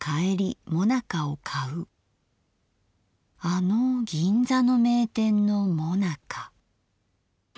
あの銀座の名店のもなか。